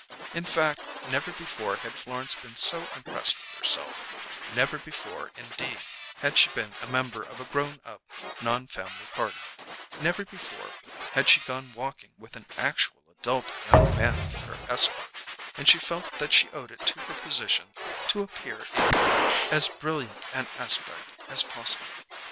In fact, never before had Florence been so impressed with herself; never before, indeed, had she been a member of a grown up non family party; never before had she gone walking with an actual adult young man for her escort; and she felt that she owed it to her position to appear in as brilliant an aspect as possible.